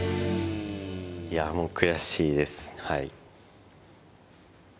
いやもう悔しいですはい